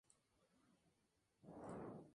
Su metalicidad es similar a la del Sol.